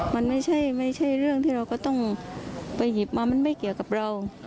มันไม่ใช่เรื่องที่เราก็ต้องไปหยิบมามันไม่เกี่ยวกับเรา